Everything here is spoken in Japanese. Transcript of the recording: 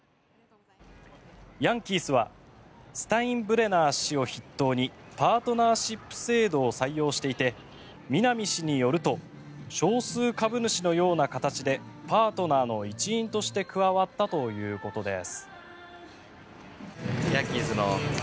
ヤンキースはスタインブレナー氏を筆頭にパートナーシップ制度を採用していて南氏によると少数株主のような形でパートナーの一員として加わったということです。